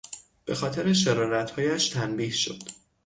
به خاطر شرارتهایش تنبیه شد.